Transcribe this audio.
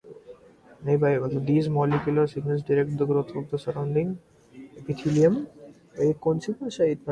These molecular signals direct the growth of the surrounding epithelium and mesenchyme.